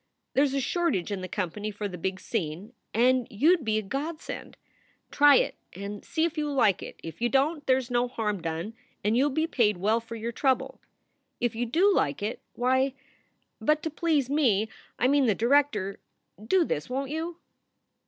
There is a shortage in the company for the big scene, and you d be a godsend. Try it and see if you like it. If you don t, there s no harm done and you ll be paid well for your trouble. If you do like it, why But to please me I mean the director do this, won t you?"